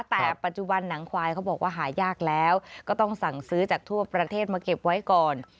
แต่ปัจจุบันหนังควายเขาบอกว่าหายากแล้วก็ต้องสั่งซื้อจากทั่วประเทศมาเก็บไว้ก่อน